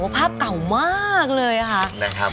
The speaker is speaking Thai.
ภาพเก่ามากเลยค่ะ